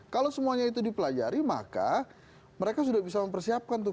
kalau semuanya itu dipelajari maka mereka sudah bisa mempersiapkan tuh